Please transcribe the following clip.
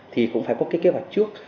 thì cũng phải có cái kế hoạch trước